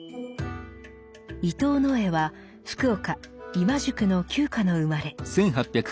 伊藤野枝は福岡・今宿の旧家の生まれ。